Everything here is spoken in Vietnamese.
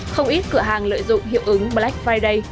không ít cửa hàng lợi dụng hiệu ứng black friday